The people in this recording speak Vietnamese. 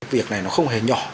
việc này nó không hề nhỏ